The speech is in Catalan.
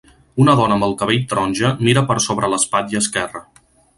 Una dona amb el cabell taronja mira per sobre l'espatlla esquerra.